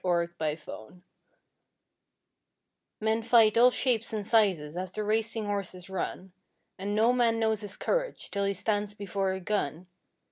Johnny Boer Men fight all shapes and sizes as the racing horses run, And no man knows his courage till he stands before a gun.